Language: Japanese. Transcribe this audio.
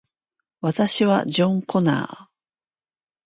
私はジョン・コナー